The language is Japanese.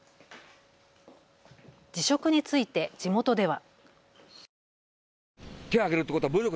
辞職について地元では。